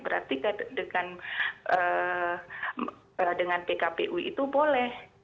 berarti dengan pkpu itu boleh